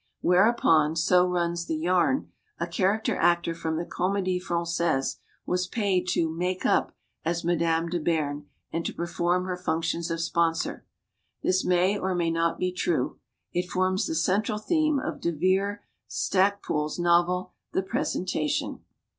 Whereupon, so runs the yarn, a char acter actor from the Comedie Francaise was paid to "make up" as Madame de Beam and to perform her functions of sponsor. This may or may not be true. It forms the central theme of De Vere Stacpoole's novel, "The Presentation."